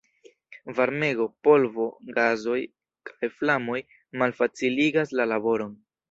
Varmego, polvo, gasoj kaj flamoj malfaciligas la laboron.